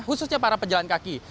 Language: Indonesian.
khususnya para penjalan kaki